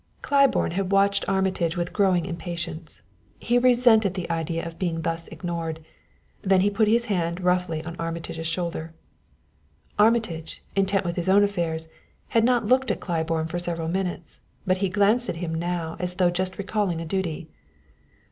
Claiborne had watched Armitage with a growing impatience; he resented the idea of being thus ignored; then he put his hand roughly on Armitage's shoulder. Armitage, intent with his own affairs, had not looked at Claiborne for several minutes, but he glanced at him now as though just recalling a duty.